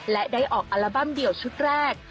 และได้ออกอัลบั้มเดี่ยวชุดแรก